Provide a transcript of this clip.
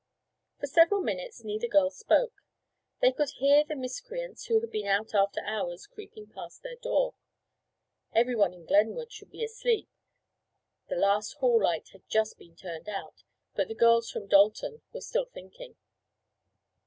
For several minutes neither girl spoke. They could hear the "miscreants" who had been out after hours creeping past their door. Every one in Glenwood should be asleep. The last hall light had just been turned out—but the girls from Dalton were still thinking.